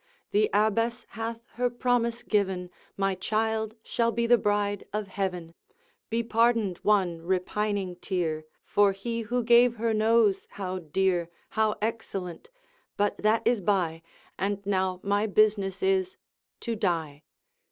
The Abbess hath her promise given, My child shall be the bride of Heaven; Be pardoned one repining tear! For He who gave her knows how dear, How excellent! but that is by, And now my business is to die.